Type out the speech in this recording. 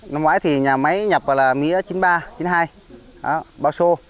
năm ngoái thì nhà máy nhập là mía chín mươi ba chín mươi hai bao số